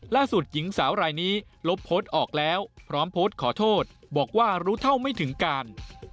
หญิงสาวรายนี้ลบโพสต์ออกแล้วพร้อมโพสต์ขอโทษบอกว่ารู้เท่าไม่ถึงการ